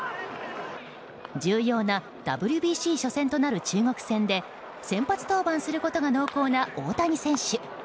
重要なＷＢＣ初戦となる中国戦で先発登板することが濃厚な大谷選手。